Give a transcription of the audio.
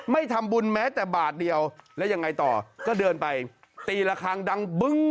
ไม่ทำบุญแม้แต่บาทเดียวแล้วยังไงต่อก็เดินไปตีละครั้งดังบึ้ง